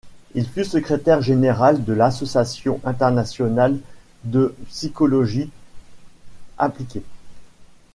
Il fut secrétaire général de l’association internationale de psychologie appliquée.